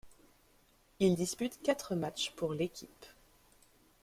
Il dispute quatre matches pour l'équipe.